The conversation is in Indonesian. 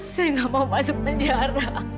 saya gak mau masuk kejar